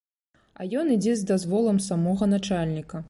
А ён ідзе з дазволам самога начальніка!